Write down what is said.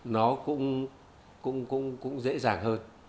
nó cũng dễ dàng hơn